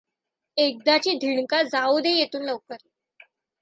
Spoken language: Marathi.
एकदाची धिंडका जाऊ दे येथून लवकर.